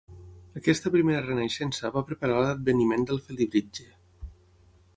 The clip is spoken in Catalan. Aquesta primera renaixença va preparar l'adveniment del Felibritge.